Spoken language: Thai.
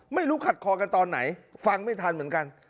ขัดคอกันตอนไหนฟังไม่ทันเหมือนกัน